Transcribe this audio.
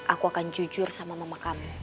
aku akan jujur sama mama kamu